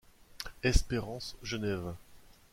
Espérance Genève.